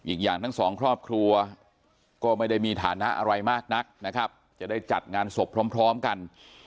อีกอย่างทั้งสองครอบครัวก็ไม่ได้มีฐานะอะไรมากนักนะครับจะได้จัดงานศพพร้อมกัน